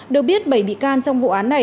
được biết bảy bị can trong vụ án này